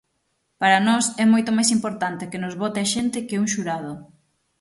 Para nós é moito máis importante que nos vote a xente que un xurado.